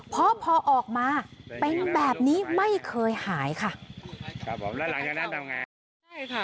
เพราะพอออกมาเป็นแบบนี้ไม่เคยหายค่ะ